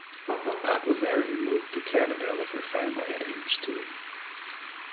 Augimeri moved to Canada with her family at age two.